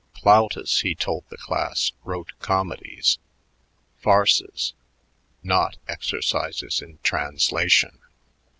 "Plautus," he told the class, "wrote comedies, farces not exercises in translation.